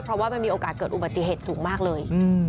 เพราะว่ามันมีโอกาสเกิดอุบัติเหตุสูงมากเลย